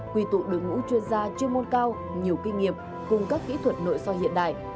quy tụ đội ngũ chuyên gia chuyên môn cao nhiều kinh nghiệm cùng các kỹ thuật nội soi hiện đại